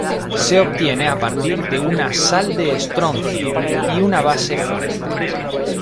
Se obtiene a partir de una sal de estroncio y una base fuerte.